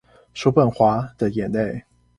叔本華的眼淚